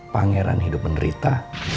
pangeran hidup menderita